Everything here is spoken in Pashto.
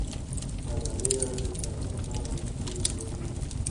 ازادي راډیو د سیاست په اړه د مسؤلینو نظرونه اخیستي.